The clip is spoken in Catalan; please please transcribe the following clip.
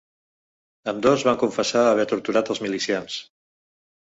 Ambdós van confessar haver torturat als milicians.